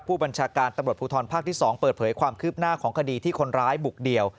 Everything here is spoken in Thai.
ผู้บัญชาการตำรวจภูทรภาคที่๒เปิดเผยความคืบหน้าของคดีที่คนร้ายบุกเดี่ยว